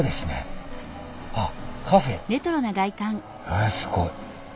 えすごい。